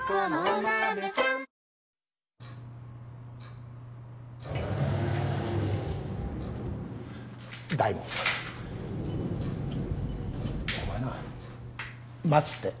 お前な待つって。